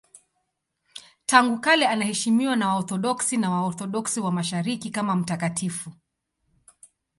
Tangu kale anaheshimiwa na Waorthodoksi na Waorthodoksi wa Mashariki kama mtakatifu.